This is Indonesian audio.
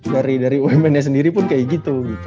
dari umn nya sendiri pun kayak gitu